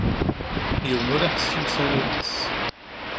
Yiwen ur iḥess i usarag-is.